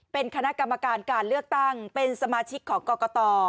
เป็นคณะกรรมการการเลือกตั้งเป็นสมาชิกของกรกต